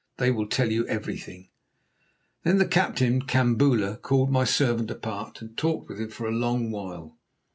They will tell you everything." Then the captain Kambula called my servant apart and talked with him for a long while.